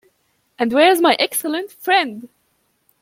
And where is my excellent friend?